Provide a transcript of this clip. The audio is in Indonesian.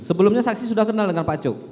sebelumnya saksi sudah kenal dengan pak cuk